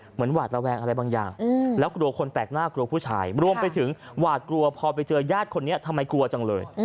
เหมือนหวาดระแวงอะไรบางอย่าง